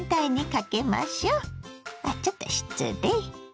あちょっと失礼。